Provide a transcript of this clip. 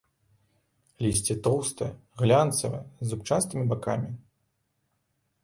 Лісце тоўстае, глянцавае з зубчастымі бакамі.